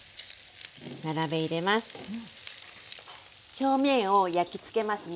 表面を焼きつけますね。